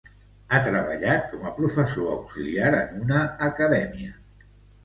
Ha treballat com a professor auxiliar en una acadèmia.